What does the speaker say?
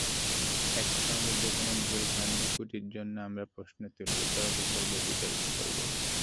একই সঙ্গে যেকোনো ভুল–ভ্রান্তি–ত্রুটির জন্য আমরা প্রশ্ন তুলব, তর্ক করব, বিতর্ক করব।